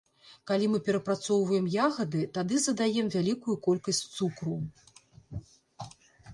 Калі мы перапрацоўваем ягады, тады задаем вялікую колькасць цукру.